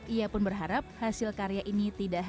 ia pun berharap hasil karya ini tidak berhasil